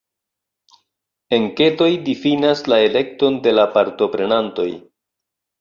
Enketoj difinas la elekton de la partoprenantoj.